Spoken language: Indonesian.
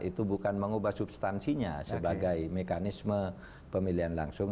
itu bukan mengubah substansinya sebagai mekanisme pemilihan langsung